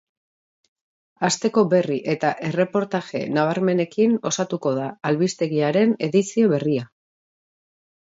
Asteko berri eta erreportaje nabarmenekin osatuko da albistegiaren edizio berria.